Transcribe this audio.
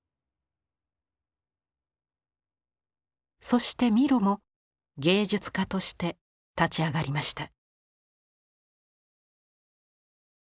そしてミロも芸術家として立ち上がりました。